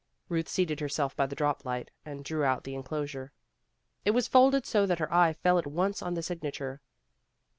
Ruth seated herself by the drop light, and drew out the enclosure. It was folded so that her eye fell at once on the signature.